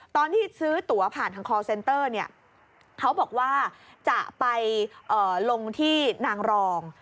ตอนที่ซื้อตัวผ่านทางคอลเซนเตอร์เนี่ยเขาบอกว่าจะไปลงที่นางรอง